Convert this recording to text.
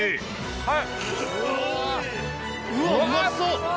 はい。